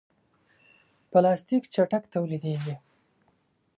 پلاستيک چټک تولیدېږي.